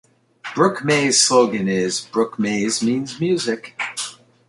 Brook Mays' slogan is "Brook Mays means music".